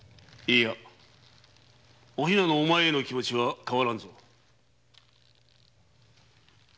いいやお比奈のお前への気持は変わらんぞ。